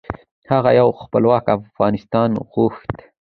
هغه یو خپلواک افغانستان غوښت .